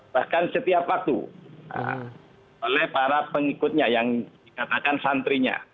bahkan setiap waktu oleh para pengikutnya yang dikatakan santrinya